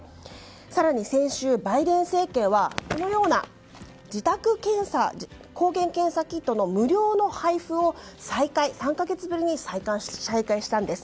更に先週、バイデン政権はこのような自宅抗原検査キットの無料の配布を３か月ぶりに再開したんです。